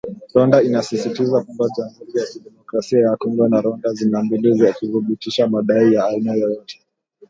Rwanda inasisitiza kwamba Jamhuri ya kidemokrasia ya Kongo na Rwanda zina mbinu za kuthibitisha madai ya aina yoyote.